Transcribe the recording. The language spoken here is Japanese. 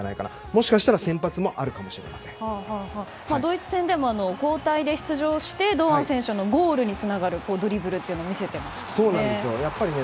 もしかしたら先発もドイツ戦でも交代で出場して堂安選手のゴールにつながるドリブルを見せていましたね。